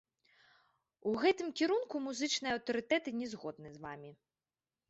У гэтым кірунку музычныя аўтарытэты не згодны з вамі!